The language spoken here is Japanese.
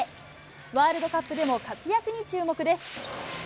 ワールドカップでも、活躍に注目です。